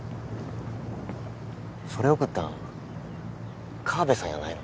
それ送ったんカワベさんやないの？